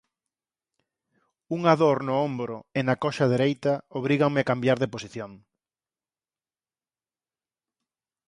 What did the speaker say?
Unha dor no ombro e na coxa dereita obríganme a cambiar de posición.